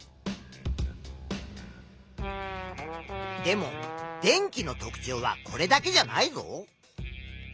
でも電気の特ちょうはこれだけじゃないぞ。